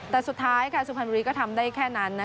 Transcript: แต่สุดท้ายสุพรรณบุรีก็ทำได้แค่นั้น